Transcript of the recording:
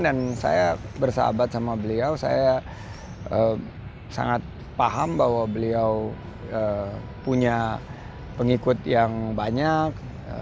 dan saya bersahabat sama beliau saya sangat paham bahwa beliau punya pengikut yang banyak